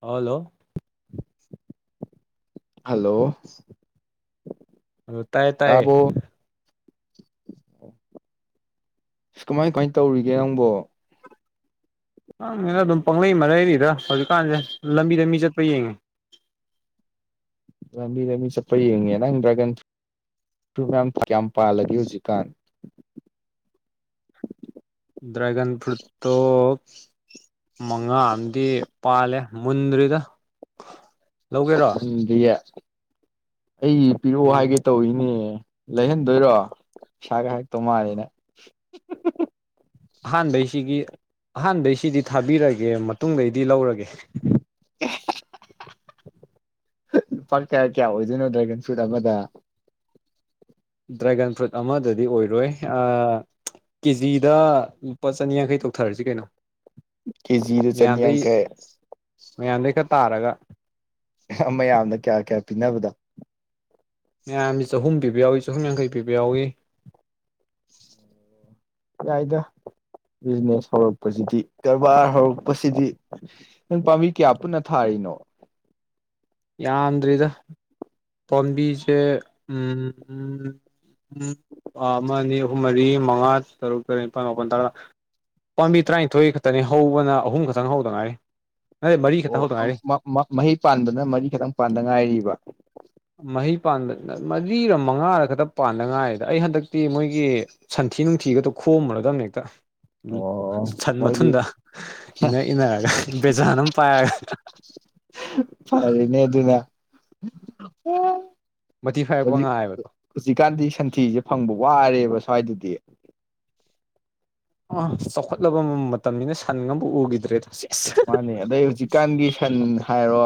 Hello. Hello ꯑꯗꯨ ꯇꯥꯏꯌꯦ ꯇꯥꯏꯌꯦ ꯇꯥꯕ꯭ꯔꫭ꯫ ꯏꯁ ꯀꯃꯥꯏ ꯀꯃꯥꯏ ꯇꯧꯔꯤꯒꯦ ꯅꯪꯕꯣ꯫ ꯈꯪꯗꯦꯗ ꯑꯗꯨꯝ ꯄꯪꯂꯩ ꯃꯔꯩꯔꯤꯗ ꯍꯧꯖꯤꯛꯀꯥꯟꯁꯦ ꯂꯝꯕꯤꯗ ꯃꯤ ꯆꯠꯄꯥ ꯌꯦꯡꯉꯤ꯫ ꯂꯝꯕꯤꯗ ꯃꯤ ꯆꯠꯄꯥ ꯌꯦꯡꯉꯦ ꯅꯪ ꯗ꯭ꯔꯥꯒꯟ ꯐ꯭ꯔꯨ ꯇꯨ ꯀꯌꯥꯝ ꯀꯌꯥꯝ ꯄꯥꯜꯂꯒꯦ ꯍꯧꯖꯤꯛꯀꯥꯟ꯫ ꯗ꯭ꯔꯥꯏꯒꯟ ꯐ꯭ꯔꯨꯠꯇꯣ ꯃꯉꯥ ꯑꯃꯗꯤ ꯄꯥꯜꯂꯦ ꯃꯨꯟꯗ꯭ꯔꯤꯗ꯫ ꯂꯧꯒꯦꯔꯣ ꯃꯨꯟꯗꯔꯤꯌꯦ ꯑꯩ ꯄꯤꯔꯛꯑꯣ ꯎꯝ ꯍꯥꯏꯒꯦ ꯇꯧꯔꯤꯅꯤꯅꯦ ꯂꯩꯍꯟꯗꯣꯏꯔꯣ ꯄꯩꯁꯒ ꯍꯥꯏꯔꯛꯇꯧ ꯃꯥꯜꯂꯤ ꯅꯪ꯫ ꯑꯍꯥꯟꯕꯩꯁꯤꯒꯤ ꯑꯍꯥꯟꯕꯩꯁꯤꯗꯤ ꯊꯥꯕꯤꯔꯒꯦ ꯃꯇꯨꯡꯗꯩꯗꯤ ꯂꯧꯔꯒꯦ꯫ ꯂꯨꯄꯥ ꯀꯌꯥ ꯀꯌꯥ ꯑꯣꯏꯗꯣꯏꯅꯣ ꯗ꯭ꯔꯥꯏꯒꯟ ꯐ꯭ꯔꯨꯏꯠ ꯑꯃꯗ꯫ ꯗ꯭ꯔꯥꯏꯒꯟ ꯐ꯭ꯔꯨꯠ ꯑꯃꯗꯗꯤ ꯑꯣꯏꯔꯣꯏ ꯑꯥ ꯀꯦꯖꯤꯗ ꯂꯨꯄꯥ ꯆꯅꯤꯌꯥꯡꯈꯩ ꯇꯧꯊꯔꯁꯤ ꯀꯩꯅꯣ꯫ ꯀꯦꯖꯤꯗ ꯃꯌꯥꯝꯗꯩ ꯆꯅꯤꯌꯥꯡꯈꯩ ꯃꯌꯥꯝꯗꯩ ꯈꯔ ꯇꯥꯔꯒ꯫ ꯃꯌꯥꯝꯅ ꯀꯌꯥ ꯀꯌꯥ ꯄꯤꯅꯕꯗꯣ꯫ ꯃꯌꯥꯝꯒꯤ ꯆꯍꯨꯝ ꯄꯤꯕ ꯌꯥꯎꯏ ꯆꯍꯨꯝ ꯌꯥꯡꯈꯩ ꯄꯤꯕ ꯌꯥꯎꯏ꯫ ꯌꯥꯗꯥꯏꯗ ꯕꯤꯖꯤꯅꯦꯁ ꯍꯧꯔꯛꯄꯁꯤꯗꯤ ꯀꯔꯕꯥꯔ ꯍꯧꯔꯛꯄꯁꯤꯗꯤ ꯅꯪ ꯄꯥꯝꯕꯤ ꯀꯌꯥ ꯄꯨꯟꯅ ꯊꯥꯔꯤꯅꯣ꯫ ꯌꯥꯝꯗ꯭ꯔꯤꯗ ꯄꯥꯝꯕꯤꯁꯦ ꯎꯝ ꯎꯝ ꯑꯃ ꯑꯅꯤ ꯑꯍꯨꯝ ꯃꯔꯤ ꯃꯉꯥ ꯇꯔꯨꯛ ꯇꯔꯦꯠ ꯅꯤꯄꯥꯜ ꯃꯥꯄꯜ ꯇꯔꯥ꯫ ꯄꯥꯝꯕꯤ ꯇꯔꯥꯅꯤꯊꯣꯏ ꯈꯛꯇꯅꯤ ꯍꯧꯕꯅ ꯑꯍꯨꯝ ꯈꯛꯇꯪ ꯍꯧꯗ ꯉꯥꯏꯔꯤ꯫ ꯅꯠꯇꯦ ꯃꯔꯤ ꯈꯛꯇ ꯍꯧꯗ ꯑꯣ ꯉꯥꯏꯔꯤ ꯃ ꯃ ꯃꯍꯩ ꯄꯥꯟꯕꯅ ꯃꯔꯤ ꯈꯛꯇꯪ ꯄꯥꯟꯕꯥꯟꯗ ꯉꯥꯏꯔꯤꯕ꯫ ꯃꯍꯩ ꯄꯥꯟꯕ ꯃꯔꯤꯔ ꯃꯉꯥꯔ ꯈꯛꯇ ꯄꯥꯟꯕꯥꯟꯗꯉꯥꯏꯗ ꯑꯩ ꯍꯟꯗꯛꯇꯤ ꯃꯣꯏꯒꯤ ꯁꯟꯊꯤ ꯅꯨꯡꯊꯤꯒꯗꯣ ꯈꯣꯝꯃꯨꯔꯗꯕꯅꯦ ꯍꯦꯛꯇ꯫ ꯎꯝ ꯑꯣ ꯁꯟ ꯃꯣꯏꯒꯤ ꯃꯊꯟꯗ ꯏꯅ ꯏꯟꯅꯔꯒ ꯕꯦꯖꯟ ꯑꯃ ꯄꯥꯏꯔꯒ ꯐꯅꯦ ꯑꯗꯨꯅ ꯃꯊꯤ ꯐꯥꯔꯛꯄ ꯍꯧꯖꯤꯛ ꯉꯥꯏꯕꯗꯣ꯫ ꯍꯧꯖꯤꯛꯀꯥꯟꯗꯤ ꯁꯟꯊꯤꯁꯦ ꯐꯪꯕ ꯋꯥꯔꯦꯕ ꯁ꯭ꯋꯥꯏꯗꯗꯤ꯫ ꯑ ꯆꯥꯎꯈꯠꯂꯕ ꯃꯇꯝꯅꯤꯅ ꯁꯟꯒ ꯑꯃꯕꯨꯛ ꯎꯒꯤꯗ꯭ꯔꯦꯗ ꯃꯥꯅꯦ ꯑꯗꯩ ꯍꯧꯖꯤꯛꯀꯥꯟꯒꯤ ꯁꯟ ꯍꯥꯏꯔꯣ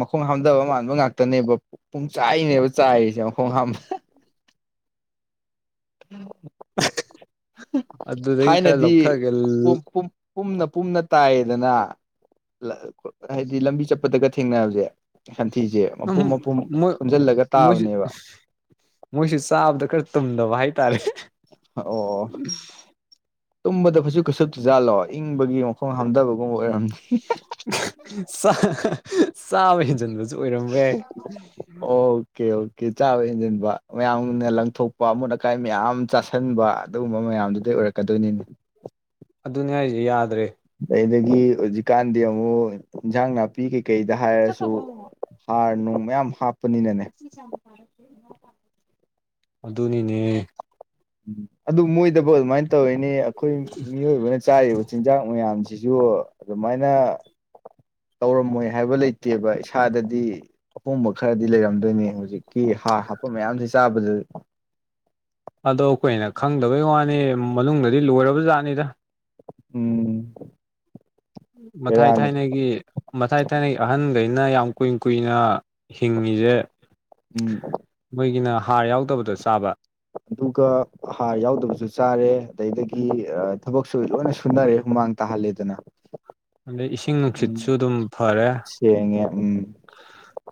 ꯃꯈꯣꯡ ꯍꯥꯝꯊꯕ ꯃꯥꯟꯕ ꯉꯥꯛꯇꯅꯦꯕ ꯄꯨꯡ ꯆꯥꯏꯅꯦꯕ ꯆꯥꯏꯔꯤꯖꯦ ꯃꯈꯣꯡ ꯍꯥꯝꯕ ꯑꯗꯨꯗꯒꯤ ꯈꯔ ꯊꯥꯏꯅꯗꯤ ꯂꯧꯊꯒꯦ ꯄꯨꯝ ꯄꯨꯝ ꯄꯨꯝꯅ ꯄꯨꯝꯅ ꯇꯥꯏꯌꯦꯗꯅ ꯂꯥꯛ ꯄ ꯍꯥꯏꯗꯤ ꯂꯝꯕꯤ ꯆꯠꯄꯗꯒ ꯊꯦꯡꯅꯅꯕꯁꯦ ꯍꯟꯊꯤꯖꯦ ꯃꯄꯨꯝ ꯃꯄꯨꯝ ꯃꯣꯏ ꯄꯨꯟꯖꯟꯂꯒ ꯇꯥꯕꯅꯦꯕ ꯃꯣꯏꯁꯦ ꯆꯥꯕꯗ ꯈꯔ ꯇꯨꯝꯗꯕ ꯍꯥꯏꯇꯥꯔꯦ꯫ ꯑꯣ ꯑꯣ꯫ ꯇꯨꯝꯕꯗ ꯐꯩꯖꯨꯞꯀ ꯁꯨꯞꯇ ꯖꯥꯠꯂꯣ ꯏꯪꯕꯒꯤ ꯃꯈꯣꯡ ꯍꯥꯝꯗꯕꯒꯨꯝꯕ ꯑꯣꯏꯔꯝꯅꯤ꯫ ꯆꯥ ꯆꯥꯕ ꯍꯦꯟꯖꯟꯕꯁꯨ ꯑꯣꯏꯔꯝꯕ ꯌꯥꯏ꯫ ꯑꯣꯀꯦ ꯑꯣꯀꯦ ꯆꯥꯕ ꯍꯦꯟꯖꯟꯕ ꯃꯌꯥꯝꯅ ꯂꯪꯊꯣꯛꯄ ꯑꯃꯣꯠ ꯑꯀꯥꯏ ꯃꯌꯥꯝ ꯆꯥꯁꯟꯕ ꯑꯗꯨꯒꯨꯝꯕ ꯃꯌꯥꯝꯗꯨꯗꯩ ꯑꯣꯏꯔꯛꯀꯗꯣꯏꯅꯤꯅꯦ꯫ ꯑꯗꯨꯅꯦ ꯍꯥꯏꯖꯦ ꯌꯥꯗ꯭ꯔꯦ꯫ ꯑꯗꯨꯗꯒꯤ ꯍꯧꯖꯤꯛꯀꯥꯟꯗꯤ ꯑꯃꯨꯛ ꯏꯟꯖꯥꯡ ꯅꯥꯄꯤ ꯀꯩꯀꯩꯗ ꯍꯥꯏꯔꯁꯨ ꯍꯥꯔꯅꯅꯨꯡ ꯃꯌꯥꯝ ꯍꯥꯞꯄꯅꯤꯅ ꯑꯗꯨꯅꯤꯅꯦ꯫ ꯎꯝ ꯑꯗꯨ ꯃꯣꯏꯗꯕꯧ ꯑꯗꯨꯃꯥꯏꯅ ꯇꯧꯔꯤꯅꯦ ꯑꯩꯈꯣꯏ ꯃꯤꯑꯣꯏꯕꯅ ꯆꯥꯔꯤꯕ ꯆꯤꯟꯖꯥꯛ ꯃꯌꯥꯝꯖꯤꯖꯨ ꯑꯗꯨꯃꯥꯏꯅ ꯇꯧꯔꯝꯃꯣꯏ ꯍꯥꯏꯕ ꯂꯩꯇꯦꯕ ꯏꯁꯥꯗꯗꯤ ꯑꯍꯣꯡꯕ ꯈꯔꯗꯤ ꯂꯩꯔꯝꯗꯣꯏꯅꯦ ꯍꯧꯖꯤꯛ꯫ ꯀꯤ ꯍꯥꯔ ꯍꯥꯞꯄ ꯃꯌꯥꯝꯁꯦ ꯆꯥꯕꯗ ꯑꯗꯣ ꯑꯩꯈꯣꯏꯅ ꯈꯪꯗꯕꯩ ꯋꯥꯅꯤ ꯃꯅꯨꯡꯗꯗꯤ ꯂꯣꯏꯔꯕ ꯖꯥꯠꯅꯤꯗ꯫ ꯎꯝ꯫ ꯃꯊꯥꯏ ꯕꯦꯔꯥꯅꯤ ꯊꯥꯏꯅꯒꯤ ꯃꯊꯥꯏ ꯊꯥꯏꯅꯒꯤ ꯑꯍꯟꯒꯩꯅ ꯌꯥꯝ ꯀꯨꯏ ꯀꯨꯏꯅ ꯍꯤꯡꯉꯤꯖꯦ ꯎꯝ ꯃꯣꯏꯒꯤꯅ ꯍꯥꯔ ꯌꯥꯎꯗꯕꯗꯣ ꯆꯥꯕ꯫ ꯑꯗꯨꯒ ꯍꯥꯔ ꯌꯥꯎꯗꯕꯤꯖꯨ ꯆꯥꯔꯦ ꯑꯗꯩꯗꯒꯤ ꯑ ꯊꯕꯛꯁꯨ ꯂꯣꯏꯅ ꯁꯨꯅꯔꯦ ꯍꯨꯃꯥꯡ ꯇꯥꯍꯜꯂꯦꯗꯅ꯫ ꯑꯗꯩ ꯏꯁꯤꯡ ꯅꯨꯡꯁꯤꯠꯁꯨ ꯎꯝ ꯑꯗꯨꯝ ꯐꯔꯦ ꯁꯦꯡꯉꯦ ꯎꯝ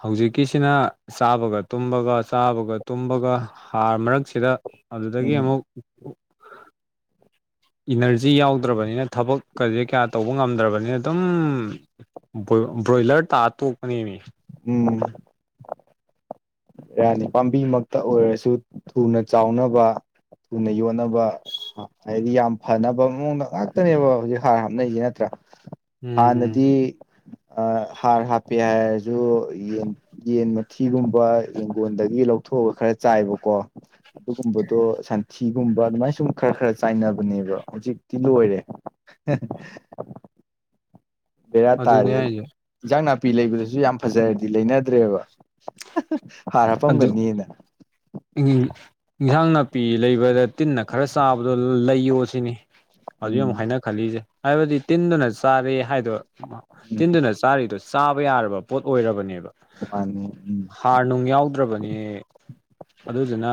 ꯍꯧꯖꯤꯛꯀꯤꯁꯤꯅ ꯆꯥꯕꯒ ꯇꯨꯝꯕꯒ ꯆꯥꯕꯒ ꯇꯨꯝꯕꯒ ꯍꯥꯔ ꯃꯔꯛꯁꯤꯗ ꯑꯗꯨꯗꯒꯤ ꯎꯝ ꯑꯃꯨꯛ ꯏꯅꯔꯖꯤ ꯌꯥꯎꯗ꯭ꯔꯕꯅꯤꯅ ꯊꯕꯛ ꯀꯖꯦ ꯀꯌꯥ ꯇꯧꯕ ꯉꯝꯗ꯭ꯔꯕꯅꯤꯅ ꯇꯨꯝ ꯕꯣꯌꯣ ꯕ꯭ꯔꯣꯏꯂꯔ ꯇꯥꯔ ꯇꯣꯛꯄꯅꯦꯃꯤ꯫ ꯎꯝ꯫ ꯕꯦꯔꯥꯅꯤ ꯄꯥꯝꯕꯤꯃꯛꯇ ꯑꯣꯏꯔꯁꯨ ꯊꯨꯅ ꯆꯥꯎꯅꯕ꯫ ꯊꯨꯅ ꯌꯣꯟꯅꯕ꯫ ꯍꯥꯏꯗꯤ ꯌꯥꯝ ꯐꯅꯕ ꯃꯑꯣꯡꯗ ꯉꯥꯛꯇꯅꯦꯕ ꯍꯧꯖꯤꯛ ꯍꯥꯔ ꯍꯥꯞꯅꯩꯖꯦ ꯅꯠꯇ꯭ꯔꯥ꯫ ꯎꯝ ꯍꯥꯟꯅꯗꯤ ꯑ ꯍꯥꯔ ꯍꯥꯞꯄꯦ ꯍꯥꯏꯔꯖꯨ ꯌꯦꯟ ꯌꯦꯟ ꯃꯊꯤꯒꯨꯝꯕ ꯌꯦꯡꯒꯣꯟꯗꯒꯤ ꯂꯧꯊꯣꯛꯑꯒ ꯈꯔ ꯆꯥꯏꯕꯀꯣ꯫ ꯑꯗꯨꯒꯨꯝꯕꯗꯣ ꯁꯟꯊꯤꯒꯨꯝꯕ ꯑꯗꯨꯃꯥꯏꯅ ꯁꯨꯝ ꯈꯔ ꯈꯔ ꯆꯥꯏꯅꯕꯅꯦꯕ ꯍꯧꯖꯤꯛꯇꯤ ꯂꯣꯏꯔꯦ꯫ [unintelligible] ꯕꯦꯔꯥ ꯑꯗꯨꯅꯦ ꯇꯥꯔꯦ꯫ ꯍꯥꯏꯁꯦ ꯏꯟꯖꯥꯡ ꯅꯥꯄꯤ ꯂꯩꯕꯗꯖꯨ ꯌꯥꯝ ꯐꯖꯔꯗꯤ ꯂꯩꯅꯗ꯭ꯔꯦꯕ ꯍꯥꯔ ꯍꯥꯞꯄꯝꯒꯅꯤꯅ꯫ ꯏꯪ ꯏꯟꯖꯥꯡ ꯅꯥꯄꯤ ꯂꯩꯕꯗ ꯇꯤꯟꯅ ꯈꯔ ꯆꯥꯕꯗꯣ ꯂꯩꯌꯣ ꯁꯤꯅꯤ꯫ ꯍꯧꯖꯤꯛ ꯑꯃꯨꯛ ꯎꯝ ꯍꯥꯏꯅ ꯈꯜꯂꯤꯛꯏꯖꯦ ꯍꯥꯏꯕꯗꯤ ꯇꯤꯟꯗꯨꯅ ꯆꯥꯔꯦ ꯍꯥꯏꯗꯣ ꯃ ꯎꯝ ꯇꯤꯟꯗꯨꯅ ꯆꯥꯔꯤꯗꯣ ꯆꯥꯕ ꯌꯥꯔꯕ ꯄꯣꯠ ꯑꯣꯏꯔꯕꯅꯦꯕ꯫ ꯖꯄꯥꯟꯅꯤ ꯎꯝ꯫ ꯍꯥꯔ ꯅꯨꯡ ꯌꯥꯎꯗ꯭ꯔꯕꯅꯦ ꯑꯗꯨꯗꯨꯅ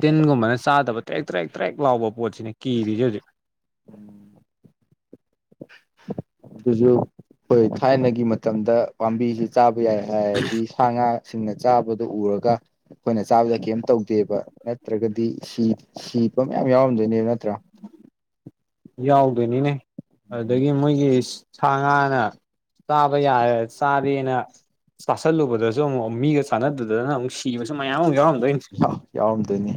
ꯇꯤꯟꯒꯨꯝꯕꯅ ꯆꯥꯗꯕ ꯇ꯭ꯔꯦꯛ ꯇ꯭ꯔꯦꯛ ꯇ꯭ꯔꯦꯛ ꯂꯥꯎꯕ ꯄꯣꯠꯁꯤꯅꯤ ꯀꯤꯔꯤꯖꯦ ꯍꯧꯖꯤꯛ꯫ ꯎꯝ꯫ ꯑꯗꯨꯖꯨ ꯑꯩꯈꯣꯏ ꯊꯥꯏꯅꯒꯤ ꯃꯇꯝꯗ ꯄꯥꯝꯕꯤꯖꯦ ꯆꯥꯕ ꯌꯥꯏ ꯍꯥꯏꯔꯗꯤ ꯁꯥ ꯉꯥꯁꯤꯡꯅ ꯆꯥꯕꯗꯨ ꯑꯨꯔꯒ ꯑꯩꯈꯣꯏꯅ ꯆꯥꯕꯗꯅ ꯀꯩꯝ ꯇꯧꯗꯦꯕ ꯅꯠꯇ꯭ꯔꯒꯗꯤ ꯁꯤ ꯁꯤꯕ ꯃꯌꯥꯝ ꯌꯥꯎꯔꯝꯗꯣꯏꯅꯦꯕ ꯅꯠꯇ꯭ꯔꯥ꯫ ꯌꯥꯎꯗꯣꯏꯅꯤꯅꯦ ꯑꯗꯨꯗꯒꯤ ꯃꯣꯏꯒꯤ ꯁꯥ ꯉꯥꯅ ꯇꯥꯕ ꯌꯥꯔꯦ ꯆꯥꯔꯦꯅ ꯆꯥꯁꯜꯂꯨꯕꯗꯖꯨ ꯑꯃꯨꯛ ꯃꯤꯒ ꯆꯥꯟꯅꯗꯗꯅ ꯑꯃꯨꯛ ꯁꯤꯕꯁꯨ ꯃꯌꯥꯝ ꯑꯃꯨꯛ ꯌꯥꯎꯔꯝꯗꯣꯏꯅꯤ꯫ [unintelligible] ꯌꯥꯎꯔꯝꯗꯣꯏꯅꯤ꯫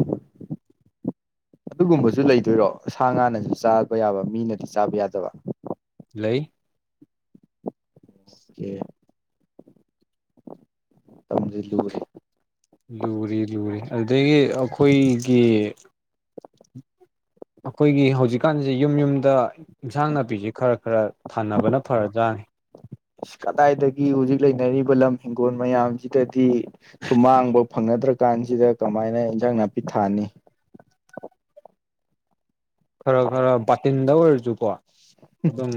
ꯑꯗꯨꯒꯨꯝꯕꯖꯨ ꯂꯩꯗꯣꯏꯔꯣ ꯁꯥ ꯉꯥꯅꯖꯨ ꯆꯥꯕ ꯌꯥꯕ ꯃꯤꯅꯗꯤ ꯆꯥꯕ ꯌꯥꯗꯕ꯫ ꯂꯩ꯫ ꯏꯁ [unintelligible] ꯇꯝꯖꯤꯜꯂꯨꯔꯦ꯫ ꯂꯨꯔꯤ ꯂꯨꯔꯤ ꯑꯗꯨꯗꯒꯤ ꯑꯩꯈꯣꯏꯒꯤ ꯑꯩꯈꯣꯏꯒꯤ ꯍꯧꯖꯤꯛꯀꯥꯟꯖꯤ ꯌꯨꯝ ꯌꯨꯝꯗ ꯏꯟꯁꯥꯡ ꯅꯥꯄꯤꯖꯤ ꯈꯔ ꯈꯔ ꯊꯥꯅꯕꯅ ꯐꯔꯕꯖꯥꯠꯅꯤ꯫ ꯏꯁ ꯀꯗꯥꯏꯗꯒꯤ ꯍꯧꯖꯤꯛ ꯂꯩꯅꯔꯤꯕ ꯂꯝ ꯍꯤꯡꯒꯣꯜ ꯃꯌꯥꯝꯖꯤꯗꯗꯤ꯫ ꯁꯨꯃꯥꯡꯕꯧ ꯐꯪꯅꯗ꯭ꯔꯀꯥꯟꯖꯤꯗ ꯀꯃꯥꯏꯅ ꯏꯟꯖꯥꯡ ꯅꯥꯄꯤ ꯊꯥꯅꯤ꯫ ꯈꯔ ꯈꯔ ꯕꯥꯇꯤꯟꯗ ꯑꯣꯏꯔꯖꯨꯀꯣ ꯑꯗꯨꯝ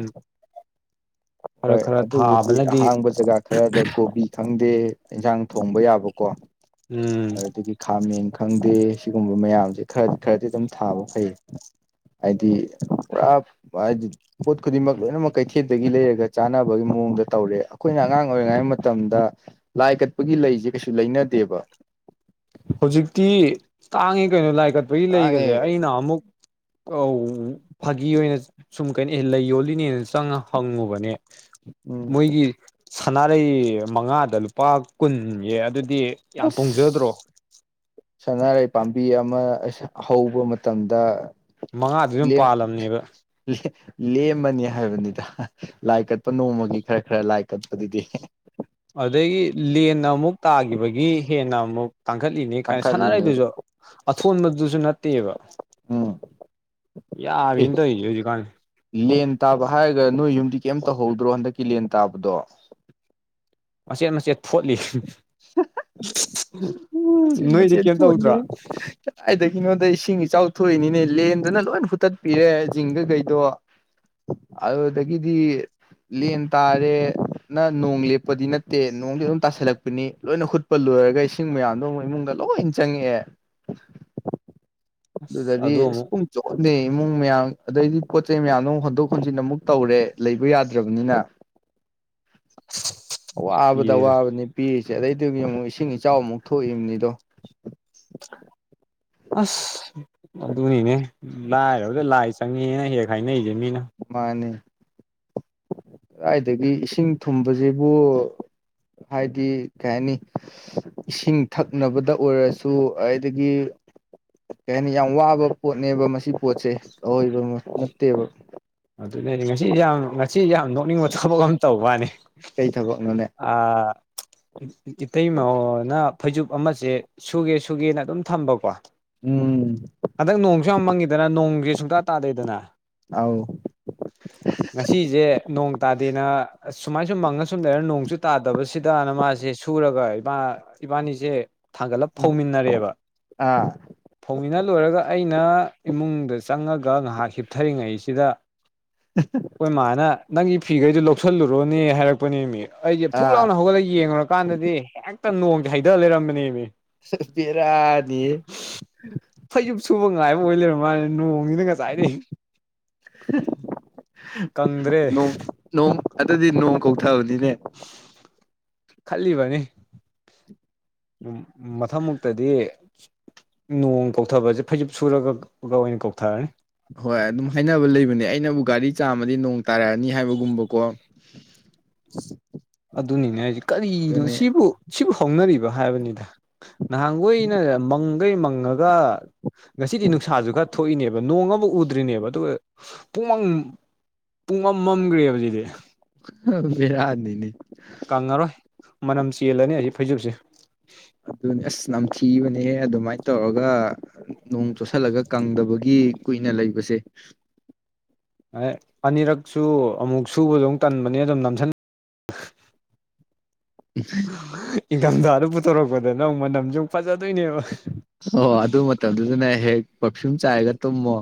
ꯈꯔ ꯍꯣꯏ ꯈꯔ ꯑꯗꯨꯕꯨꯗꯤ ꯊꯥꯕꯅꯗꯤ ꯑꯍꯥꯡꯕ ꯖꯒꯥ ꯈꯔꯗ ꯀꯣꯕꯤ ꯈꯪꯗꯦ ꯏꯟꯖꯥꯡ ꯊꯣꯡꯕ ꯌꯥꯕꯀꯣ꯫ ꯎꯝ ꯑꯗꯨꯗꯒꯤ ꯈꯥꯃꯦꯟ ꯈꯪꯗꯦ ꯁꯤꯒꯨꯝꯕ ꯃꯌꯥꯝꯁꯦ ꯈꯔ ꯈꯔꯗꯤ ꯑꯗꯨꯝ ꯊꯥꯕ ꯐꯩ ꯍꯥꯏꯗꯤ ꯄꯨꯔꯥ ꯄꯣꯠ ꯈꯨꯗꯤꯡꯃꯛ ꯂꯣꯏꯅꯃꯛ ꯀꯩꯊꯦꯜꯗꯒꯤ ꯂꯩꯔꯒ ꯆꯥꯅꯕꯒꯤ ꯃꯑꯣꯡꯗ ꯇꯧꯔꯦ ꯑꯩꯈꯣꯏꯅ ꯑꯉꯥꯡ ꯑꯣꯏꯔꯤꯉꯩ ꯃꯇꯝꯗ ꯂꯥꯏ ꯀꯠꯄꯒꯤ ꯂꯩꯁꯦ ꯀꯩꯁꯨ ꯂꯩꯅꯗꯦꯕ ꯍꯧꯖꯤꯛꯇꯤ ꯇꯥꯡꯉ‌ꯦ ꯀꯩꯅꯣ ꯂꯥꯏ ꯀꯠꯄꯒꯤ ꯇꯥꯡꯉꯦ ꯂꯩꯒꯁꯦ ꯑꯩꯅ ꯅꯍꯥꯃꯨꯛ ꯑꯧ ꯐꯥꯒꯤ ꯑꯣꯏꯅ ꯁꯨꯝ ꯀꯩꯅꯣ ꯑꯦ ꯂꯩ ꯌꯣꯜꯂꯤꯅꯦꯅ ꯆꯪꯉ ꯍꯪꯉꯨꯕꯅꯦ ꯎꯝ ꯃꯣꯏꯒꯤ ꯁꯥꯟꯅꯥꯔꯩ ꯃꯉꯥꯗ ꯂꯨꯄꯥ ꯀꯨꯟ ꯌꯦ ꯑꯗꯨꯗꯤ ꯌꯥꯝ ꯇꯣꯡꯖꯗ꯭ꯔꯣ ꯑꯁ ꯁꯅꯥꯔꯩ ꯄꯥꯝꯕꯤ ꯑꯃ ꯍꯧꯕ ꯃꯇꯝꯗ ꯃꯉꯥꯗꯨ ꯑꯗꯨꯝ ꯂꯦꯝ ꯄꯥꯜꯂꯝꯅꯦꯕ ꯂꯦꯝꯃꯅꯤ ꯍꯥꯏꯕꯅꯤꯗ ꯂꯥꯏ ꯀꯠꯄ ꯅꯣꯡꯃꯒꯤ ꯈꯔ ꯈꯔ ꯂꯥꯏ ꯀꯠꯄꯗꯨꯗꯤ ꯑꯗꯒꯤ ꯂꯦꯟꯅ ꯑꯃꯨꯛ ꯇꯥꯈꯤꯕꯒꯤ ꯍꯦꯟꯅ ꯑꯃꯨꯛ ꯇꯥꯡꯈꯠꯂꯤꯅꯦ ꯀꯥꯏꯅ ꯇꯥꯡꯈꯠꯂꯤꯅꯦ ꯁꯥꯟꯅꯔꯩꯗꯨꯁꯨ ꯑꯊꯣꯟꯕꯗꯨꯁꯨ ꯅꯠꯇꯦꯕ ꯎꯝ ꯑꯦ ꯌꯥꯕꯤꯅ‌ꯦ ꯇꯧꯔꯤꯁ‌ꯦ ꯍꯧꯖꯤꯛ ꯀꯥꯟꯁ‌ꯦ ꯂꯦꯟ ꯇꯥꯕ ꯍꯥꯏꯔꯒ ꯅꯣꯏ ꯌꯨꯝꯗꯤ ꯀꯩꯝ ꯇꯧꯍꯧꯗ꯭ꯔꯣ ꯍꯟꯗꯛꯀꯤ ꯂꯦꯟ ꯇꯥꯕꯗꯣ ꯃꯆꯦꯠ ꯃꯆꯦꯠ ꯐ‌ꯣꯠꯂꯤ ꯃꯆꯦꯠ ꯅꯣꯏꯗꯤ ꯃꯆꯦꯠ ꯀꯩꯝ ꯇꯧꯗ꯭ꯔꯣ ꯐꯣꯠꯂ‌ꯦ ꯀꯗꯥꯏꯗꯒꯤꯅ‌ꯣꯗ ꯏꯁꯤꯡ ꯏꯆꯥꯎ ꯊꯣꯛꯏꯅꯤꯅꯦ ꯂꯦꯟꯗꯨꯅ ꯂꯣꯏ ꯍꯨꯠꯇꯠꯄꯤꯔꯦ ꯖꯤꯡꯒ ꯀꯩꯗꯣ ꯑꯗꯨꯗꯒꯤꯗꯤ ꯂꯦꯟ ꯇꯥꯔꯦ ꯅ ꯅꯣꯡ ꯂꯦꯞꯄꯗꯤ ꯅꯠꯇꯦ ꯅꯣꯡꯗꯤ ꯑꯗꯨꯝ ꯇꯥꯁꯜꯂꯛꯄꯅꯤ ꯂꯣꯏꯅ ꯍꯨꯠꯄ ꯂꯣꯏꯔꯒ ꯏꯁꯤꯡ ꯃꯌꯥꯝꯗꯣ ꯑꯃ ꯏꯃꯨꯡꯗ ꯂꯣꯏ ꯆꯪꯉꯛꯑꯦ ꯑꯁ ꯑꯗꯨꯗꯗꯤ ꯑꯗꯨ ꯑꯁ ꯑꯃꯨꯛ ꯆꯣꯛꯍꯟꯗꯦ ꯏꯃꯨꯡ ꯃꯌꯥꯝ ꯑꯗꯩꯗꯤ ꯄꯣꯠ ꯆꯩ ꯃꯌꯥꯝꯗꯣ ꯍꯣꯟꯗꯣꯛ ꯍꯣꯟꯖꯤꯟ ꯑꯃꯨꯛ ꯇꯧꯔꯦ ꯂꯩꯕ ꯌꯥꯗ꯭ꯔꯕꯅꯤꯅ [inaudible] ꯑꯋꯥꯕꯗ ꯄꯤꯌꯦ ꯑꯋꯥꯕꯅꯤ ꯄꯤꯔꯤꯁꯦ ꯑꯗꯩꯗꯨꯒꯤ ꯑꯃꯨꯛ ꯏꯁꯤꯡ ꯏꯆꯥꯎ ꯑꯃꯨꯛ ꯊꯣꯛꯏꯕꯅꯤꯗꯣ [inaudible] ꯑꯁ ꯑꯗꯨꯅꯤꯅꯦ ꯂꯥꯏꯔꯕꯗ ꯂꯥꯏ ꯆꯪꯉꯦꯅ ꯍꯦꯛ ꯍꯥꯏꯅꯔꯤꯁꯦ ꯃꯤꯅ ꯃꯥꯅ‌ꯦ ꯀꯗꯥꯏꯗꯒꯤ ꯏꯁꯤꯡ ꯊꯨꯝꯕꯁꯤꯕꯨ ꯍꯥꯏꯗꯤ ꯀꯩ ꯍꯥꯏꯅꯤ ꯏꯁꯤꯡ ꯊꯛꯅꯕꯗ ꯑꯣꯏꯔꯁꯨ ꯑꯗꯨꯗꯒꯤ ꯀꯩ ꯍꯥꯏꯅꯤ ꯌꯥꯝ ꯋꯥꯕ ꯄꯣꯠꯅꯦꯕ ꯃꯁꯤ ꯄꯣꯠꯁꯦ ꯑꯍꯣꯏꯕ ꯅꯠꯇꯦꯕ ꯑꯗꯨꯅꯗꯤ ꯉꯁꯤꯁ‌ꯦ ꯉꯁꯤꯁ꯫ ꯌꯥꯝ ꯉꯁꯤ ꯌꯥꯝ ꯅꯣꯛꯅꯤꯡꯕ ꯊꯕꯛ ꯑꯃ ꯇꯧꯕ ꯃꯥꯅꯤ ꯀꯩ ꯊꯕꯛꯅꯣꯅꯦ ꯑꯥ ꯏꯇꯩꯍ‌ꯣꯏꯅ ꯐꯩꯖꯨꯞ ꯑꯃꯁꯦ ꯁꯨꯒꯦ ꯁꯨꯒꯦꯅ ꯑꯗꯨꯝ ꯊꯝꯕꯀꯣ ꯎꯝ ꯍꯟꯗꯛ ꯅꯣꯡꯁꯨ ꯌꯥꯝ ꯃꯪꯉꯤꯗꯅ ꯅꯣꯡꯁꯦ ꯁꯨꯡꯇꯥ ꯇꯥꯗꯣꯏꯗꯅ ꯑꯥꯎ [inaudible] ꯉꯁꯤꯁꯦ ꯅꯣꯡ ꯇꯥꯗꯦꯅ ꯁꯨꯃꯥꯏ ꯁꯨꯝ ꯃꯪꯉ ꯁꯨꯝ ꯂꯩꯔ ꯅꯣꯡꯁꯨ ꯇꯥꯗꯕꯁꯤꯗꯅ ꯃꯥꯁꯦ ꯁꯨꯔꯒ ꯏ ꯏꯕꯥꯅꯤꯁꯦ ꯊꯥꯡꯒꯠꯂꯒ ꯐꯧꯃꯤꯟꯅꯔꯦꯕ ꯑꯥ ꯐꯧꯃꯤꯅ ꯂꯣꯏꯔꯒ ꯑꯩꯅ ꯏꯃꯨꯡꯗ ꯆꯪꯉꯒ ꯉꯥꯏꯍꯥꯛ ꯍꯤꯞꯊꯔꯤꯉꯩꯁꯤꯗ ꯎꯝ ꯑꯩꯈꯣꯏ ꯃꯥꯅ ꯅꯪꯒꯤ ꯐꯤꯈꯩꯗ‌ꯣ ꯂꯧꯁꯤꯜꯂꯨꯔꯣꯅꯦ ꯍꯥꯏꯔꯛꯄꯅꯦ ꯃꯤ ꯑꯩꯁꯦ ꯐꯨꯛ ꯑꯥ ꯂꯥꯎꯅ ꯍꯧꯒꯠꯂꯒ ꯌꯦꯡꯉꯨꯔꯀꯥꯟꯗꯗꯤ ꯍꯦꯛꯇ ꯅꯣꯡꯁꯦ ꯍꯩꯊꯔꯒ ꯂꯩꯔꯝꯕꯅꯦꯕ ꯕꯤꯔꯥꯅꯤꯍ‌ꯦ ꯐꯩꯖꯨꯞ ꯁꯨꯕ ꯉꯥꯏꯕ ꯑꯣꯏ ꯂꯩꯔ ꯃꯥꯜꯂꯦ ꯅꯣꯡꯁꯤꯅ ꯉꯁꯥꯏꯗꯩ ꯀꯪꯗ꯭ꯔꯦ ꯅꯣꯡ ꯅꯣꯡ ꯑꯗꯨꯗꯤ ꯅꯣꯡ ꯀꯧꯊꯕꯅꯤꯅꯦ ꯈꯜꯂꯤꯕꯅꯤ ꯎꯝ ꯎꯝ ꯃꯊꯪꯃꯨꯛꯇꯗꯤ ꯅꯣꯡ ꯀꯧꯊꯕꯁꯦ ꯐꯩꯖꯨꯞ ꯁꯨꯔꯒ ꯑꯣꯏꯅ ꯀꯧꯊꯔꯅꯤ ꯍꯣꯏ ꯑꯗꯨꯝ ꯍꯥꯏꯅꯕ ꯂꯩꯕꯅꯦ ꯑꯩꯅꯕꯨ ꯒꯥꯔꯤ ꯆꯥꯝꯃꯗꯤ ꯅꯣꯡ ꯇꯥꯔꯛꯑꯅꯤ ꯍꯥꯏꯕꯒꯨꯝꯕꯀꯣ ꯑꯗꯨꯅꯤꯅꯦ ꯍꯥꯏꯁꯦ ꯀꯔꯤꯅꯣ ꯑꯗꯨꯅꯦ ꯁꯤꯕꯨ ꯁꯤꯕꯨ ꯍꯧꯅꯔꯤꯕ ꯍꯥꯏꯕꯅꯤꯗ ꯅꯍꯥꯟꯈꯣꯏꯅ ꯃꯪꯈꯩ ꯃꯪꯉꯒ ꯉꯁꯤꯗꯤ ꯅꯨꯡꯁꯥꯁꯨ ꯈꯔ ꯊꯣꯛꯏꯅꯦꯕ ꯅꯣꯡ ꯑꯃꯨꯛ ꯎ ꯗ꯭ꯔꯤꯅꯦꯕ ꯑꯗꯨꯒ ꯄꯨꯡ ꯃꯝ ꯄꯨꯡ ꯃꯝ ꯃꯝꯈ꯭ꯔꯦꯕ ꯁꯤꯗꯤ ꯕꯦꯔꯥꯅꯤꯅꯦ ꯀꯪꯉꯔꯣꯏ ꯃꯅꯝ ꯆꯦꯜꯂꯅꯤ ꯑꯁꯤ ꯐꯩꯖꯨꯞꯁꯦ ꯑꯗꯨꯅꯦ ꯑꯁ ꯅꯝꯊꯤꯕꯅꯦ ꯑꯗꯨꯃꯥꯏꯅ ꯇꯧꯔꯒ ꯅꯣꯡ ꯆꯣꯠꯁꯤꯜꯂꯒ ꯀꯪꯗꯕꯒꯤ ꯀꯨꯏꯅ ꯂꯩꯕꯁꯦ ꯑ ꯑꯅꯤꯔꯛꯁꯨ ꯑꯃꯨꯛ ꯁꯨꯕꯁꯨ ꯑꯃꯨꯛ ꯇꯟꯕꯅꯦ ꯑꯗꯨꯝ ꯅꯝꯁꯤꯜꯂꯒ [inaudible] ꯏꯪꯊꯝꯊꯥꯗꯨ ꯄꯨꯊꯣꯔꯛꯄꯗꯅ ꯃꯅꯝꯁꯨ ꯐꯖꯗꯣꯏꯅꯦꯕ ꯍꯣ ꯑꯗꯨ ꯃꯇꯝꯗꯨꯗꯅ ꯍꯦꯛ ꯄꯔꯐꯤꯌꯨꯝ ꯆꯥꯏꯔꯒ ꯇꯨꯝꯃꯣ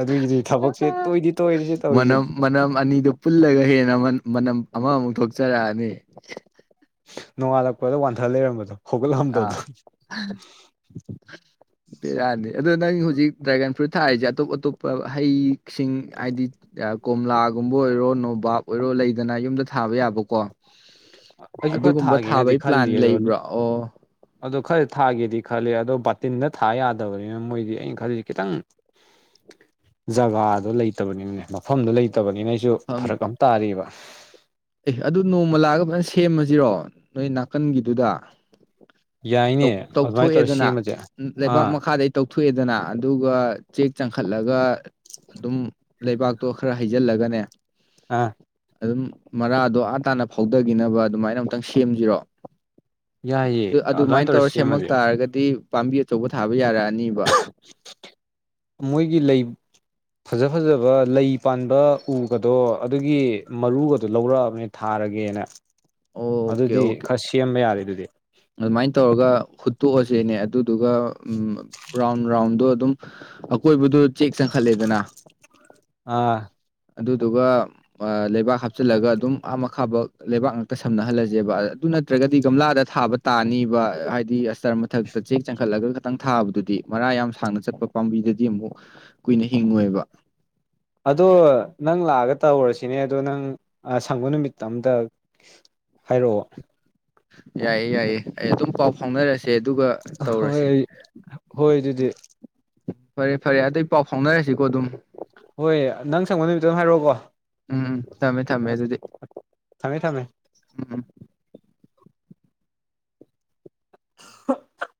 ꯑꯗꯨꯒꯤꯗꯤ ꯊꯕꯛꯁꯦ ꯇꯣꯏꯗꯤ ꯇꯣꯏꯔꯦꯍꯦ ꯇꯧꯔꯤꯁꯦ ꯃꯅꯝ ꯃꯅꯝ ꯑꯅꯤꯗꯨ ꯄꯨꯜꯂꯒ ꯍꯦꯟꯅ ꯃꯅꯝ ꯑꯃꯃꯨꯛ ꯊꯣꯛꯆꯔꯛꯑꯅꯤ ꯅꯣꯡꯉꯥꯜꯂꯛꯄꯗꯣ ꯋꯥꯟꯊ ꯂꯩꯔꯝꯕꯗꯣ ꯑꯥ ꯍꯧꯒꯠꯂꯝꯗꯕꯗꯣ ꯕꯦꯔꯥꯅꯤ ꯑꯗꯨ ꯅꯪ ꯍꯧꯖꯤꯛ ꯗ꯭ꯔꯥꯒꯟ ꯐ꯭ꯔꯨꯠ ꯊꯥꯔꯤꯁꯦ ꯑꯇꯣꯞ ꯑꯇꯣꯞꯄ ꯍꯩꯁꯤꯡ ꯍꯥꯏꯗꯤ ꯀꯣꯝꯂꯥꯒꯨꯝꯕ ꯑꯣꯏꯔꯣ ꯅꯣꯕꯥꯞ ꯑꯣꯏꯔꯣ ꯂꯩꯗꯅ ꯌꯨꯝꯗ ꯊꯥꯕ ꯌꯥꯕꯀꯣ ꯑꯩꯁꯨ ꯈꯔ ꯑꯗꯨꯒꯨꯝꯕ ꯊꯥꯒꯦꯅꯗꯤ ꯊꯥꯕꯩ ꯄ꯭ꯂꯥꯟ ꯈꯜꯂꯤ ꯑꯗꯣ ꯂꯩꯕ꯭ꯔꯥ ꯑꯣ ꯑꯗꯣ ꯈꯔꯗꯤ ꯊꯥꯒꯦꯗꯤ ꯈꯜꯂꯦ ꯑꯗꯣ ꯕꯥꯇꯤꯟꯗ ꯊꯥ ꯌꯥꯗꯕꯅꯤꯅ ꯃꯣꯏꯗꯤ ꯑꯩꯅ ꯈꯜꯂꯤꯁꯦ ꯈꯤꯇꯪ [inaudible] ꯖꯒꯥꯗꯣ ꯂꯩꯇꯕꯅꯤꯅꯅꯦ ꯃꯐꯝꯗꯣ ꯂꯩꯇꯕꯅꯤꯅ ꯑꯩꯁꯨ ꯐꯝ ꯐꯔꯛ ꯑꯃ ꯇꯥꯔꯤꯌꯦꯕ ꯑꯦ ꯑꯗꯨ ꯅꯣꯡꯃ ꯂꯥꯛꯑꯒ ꯐꯖꯅ ꯁꯦꯝꯃꯁꯤꯔꯣ ꯅꯣꯏ ꯅꯥꯀꯟꯒꯤꯗꯨꯗ ꯇꯧ ꯌꯥꯏꯅꯦ ꯑꯗꯨꯃꯥꯏꯅ ꯇꯧꯔ ꯇꯧꯊꯣꯛꯑꯦꯗꯅ ꯁꯦꯝꯃꯁꯦ ꯂꯩꯕꯥꯛ ꯑꯥ ꯃꯈꯥꯗꯩ ꯇꯧꯊꯣꯛꯑꯦꯗꯅ ꯑꯗꯨꯒ ꯆꯦꯛ ꯆꯪꯈꯠꯂꯒ ꯑꯗꯨꯝ ꯂꯩꯕꯥꯛꯇꯣ ꯈꯔ ꯍꯩꯖꯤꯜꯂꯒꯅꯦ ꯍꯥ ꯑꯗꯨꯝ ꯃꯔꯥꯗꯣ ꯑꯥ ꯇꯥꯅ ꯐꯧꯗꯈꯤꯅꯕ ꯑꯗꯨꯃꯥꯏꯅ ꯑꯃꯨꯛꯇꯪ ꯁꯦꯝꯁꯤꯔꯣ ꯑꯗꯨ ꯑꯗꯨꯃꯥꯏꯅ ꯇꯧꯔ ꯁꯦꯝꯃꯛ ꯇꯥꯔꯒꯗꯤ ꯄꯥꯝꯕꯤ ꯑꯆꯧꯕ ꯊꯥꯕ ꯌꯥꯔꯛꯑꯅꯤꯕ ꯃꯣꯏꯒꯤ ꯂꯩ ꯐꯖ ꯐꯖꯕ ꯂꯩ ꯄꯥꯟꯕ ꯎꯒꯗꯣ ꯑꯗꯨꯒꯤ ꯃꯔꯨꯒꯗꯣ ꯂꯧꯔꯛꯑꯕꯅꯤ ꯊꯥꯔꯒꯦꯅ ꯑꯣꯀꯦ ꯑꯗꯨꯗꯤ ꯑꯣꯀꯦ ꯈꯔ ꯁꯦꯝꯕ ꯌꯥꯔꯤ ꯑꯗꯨꯗꯤ ꯑꯗꯨꯃꯥꯏꯅ ꯇꯧꯔꯒ ꯍꯨꯠꯇꯣꯛꯑꯁꯦꯅꯦ ꯑꯗꯨꯗꯨꯒ ꯎꯝ ꯔꯥꯎꯟ ꯔꯥꯎꯟꯗꯣ ꯑꯗꯨꯝ ꯑꯀꯣꯏꯕꯗꯨ ꯆꯦꯛ ꯆꯪꯈꯠꯂꯦꯗꯅ ꯑꯥ ꯑꯗꯨꯗꯨꯒ ꯂꯩꯕꯥꯛ ꯍꯥꯞꯆꯤꯜꯂꯒ ꯑꯗꯨꯝ ꯑꯥ ꯃꯈꯥ ꯐꯥꯎꯕ ꯂꯩꯕꯥꯛ ꯉꯥꯛꯇ ꯁꯝꯅꯍꯜꯂꯁꯦꯕ ꯑꯗꯨ ꯅꯠꯇ꯭ꯔꯒꯗꯤ ꯒꯝꯂꯥꯗ ꯊꯥꯕ ꯇꯥꯅꯤꯕ ꯍꯥꯏꯗꯤ ꯑꯁꯇꯔ ꯃꯊꯛꯇ ꯆꯦꯛ ꯆꯪꯈꯠꯂꯒ ꯇꯪ ꯊꯥꯕꯗꯨꯗꯤ ꯃꯔꯥ ꯌꯥꯝ ꯁꯥꯡꯅ ꯆꯠꯄ ꯄꯥꯝꯕꯤꯗꯗꯤ ꯑꯃꯨꯛ ꯀꯨꯏꯅ ꯍꯤꯡꯉꯣꯏꯕ ꯑꯗꯣ ꯅꯪ ꯂꯥꯛꯑꯒ ꯇꯧꯔꯁꯤꯅꯦ ꯑꯗꯣ ꯅꯪ ꯁꯪꯕ ꯅꯨꯃꯤꯠꯇ ꯑꯝꯇ ꯍꯥꯏꯔꯑꯣ ꯌꯥꯏꯌꯦ ꯌꯥꯏꯌꯦ ꯑꯩ ꯑꯗꯨꯝ ꯄꯥꯎ ꯐꯥꯎꯅꯔꯁꯦ ꯑꯗꯨꯒ ꯍꯣꯏ ꯇꯧꯔꯁꯦ ꯍꯣꯏ ꯑꯗꯨꯗꯤ ꯎꯝ ꯐꯔꯦ ꯐꯔꯦ ꯑꯗꯩ ꯄꯥꯎ ꯐꯥꯎꯅꯔꯁꯤꯀꯣ ꯑꯗꯨꯝ ꯍꯣꯏ ꯅꯪ ꯁꯪꯕ ꯅꯨꯃꯤꯠꯇ‌ꯣ ꯑꯝ ꯍꯥꯏꯔꯑꯣ ꯀꯣ ꯎꯝ ꯇꯝꯃꯦ ꯊꯝꯃꯦ ꯑꯗꯨꯗꯤ ꯊꯝꯃꯦ ꯊꯝꯃꯦ ꯎꯝ ꯎꯝ [unintelligible]